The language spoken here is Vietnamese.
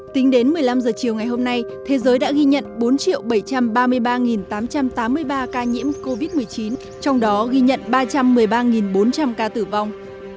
tính đến một mươi năm h chiều ngày hôm nay thế giới đã ghi nhận bốn bảy trăm ba mươi ba tám trăm tám mươi ba ca nhiễm covid một mươi chín trong đó ghi nhận ba trăm một mươi ba bốn trăm linh ca tử vong